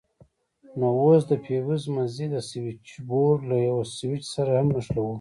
نو اوس د فيوز مزي د سوېچبورډ له يوه سوېچ سره هم نښلوو.